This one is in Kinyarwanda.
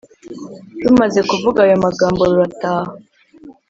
rumaze kuvuga ayo magambo rurataha